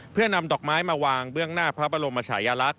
เพื่อนำดอกไม้มาวางเบื้องหน้าพระบรมชายลักษณ